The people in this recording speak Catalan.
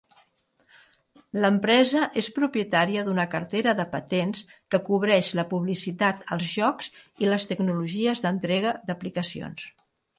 L'empresa és propietària d'una cartera de patents que cobreix la publicitat als jocs i les tecnologies d'entrega d'aplicacions.